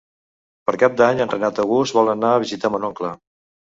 Per Cap d'Any en Renat August vol anar a visitar mon oncle.